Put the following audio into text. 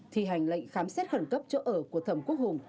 thi hành lệnh khám xét khẩn cấp chỗ ở của thẩm quốc hùng